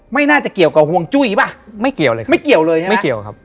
ไม่น่าจะเกี่ยวกับห่วงจุ้ยป่ะไม่เกี่ยวเลยครับไม่เกี่ยวเลยไม่เกี่ยวครับ